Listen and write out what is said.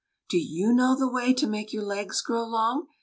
" Do you know the way to make your legs grow long?"